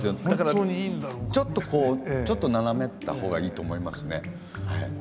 だからちょっとこうちょっと斜めったほうがいいと思いますね。